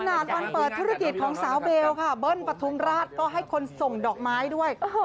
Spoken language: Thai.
วันเปิดธุรกิจของสาวเบลค่ะเบิ้ลปฐุมราชก็ให้คนส่งดอกไม้ด้วย